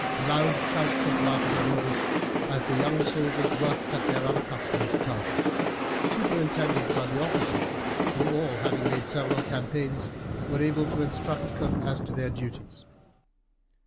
Loud shouts of laughter rose as the young soldiers worked at their unaccustomed tasks, superintended by the officers, who, having all made several campaigns, were able to instruct them as to their duties.